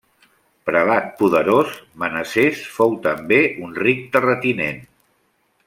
Prelat poderós, Manassès fou també un ric terratinent.